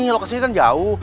lokasinya kan jauh